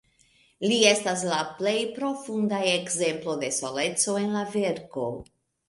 Li estas la plej profunda ekzemplo de soleco en la verko.